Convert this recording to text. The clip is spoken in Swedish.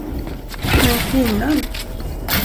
Men kvinnan?